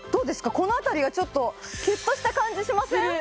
この辺りがちょっとキュッとした感じしません？